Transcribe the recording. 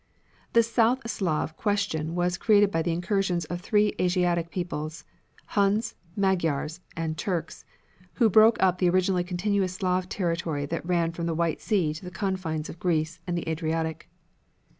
The South Slav question was created by the incursions of three Asiatic peoples Huns, Magyars, Turks who broke up the originally continuous Slav territory that ran from the White Sea to the confines of Greece and the Adriatic.